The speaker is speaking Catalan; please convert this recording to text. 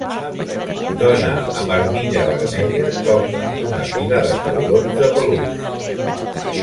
Dona amb armilla vermella toca una pila de taurons de peluix.